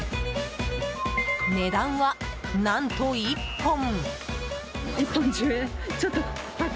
値段は何と１本。